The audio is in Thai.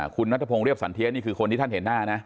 คุณนัทพงศ์เรียบสันเทียนี่คือคนที่ท่านเห็นหน้านะ